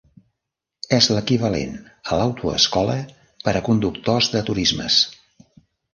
És l'equivalent a l'autoescola per a conductors de turismes.